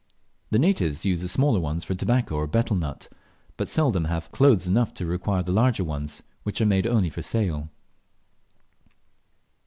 The natives use the smaller ones for tobacco or betel nut, but seldom have clothes enough to require the larger ones, which are only made for sale.